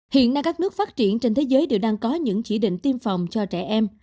hiện nay các nước phát triển trên thế giới đều đang có những chỉ định tiêm phòng cho trẻ em